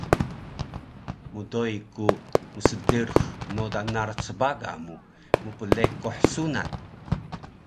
mdoi ku msderux noda narac baga mu mplekuh sunan